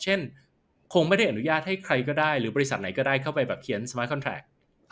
คงไม่ได้อนุญาตให้ใครก็ได้หรือบริษัทไหนก็ได้เข้าไปแบบเขียนสมาร์คอนแทรก